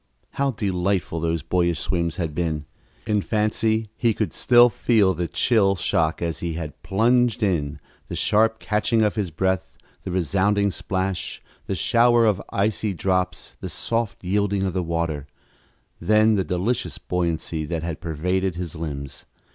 How delightful those boyish swims had been! In fancy he could still feel the chill shock as he had plunged in, the sharp catching of his breath, the resounding splash, the shower of icy drops, the soft yielding of the water then the delicious buoyancy that had pervaded his limbs.